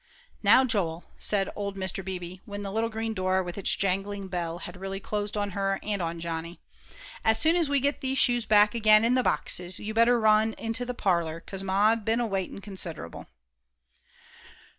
"Now, Joel," said old Mr. Beebe, when the little green door with its jangling bell had really closed on her and on Johnny, "as soon as we get these shoes back again in the boxes, you better run into th' parler, 'cause Ma's been a waitin' considerable."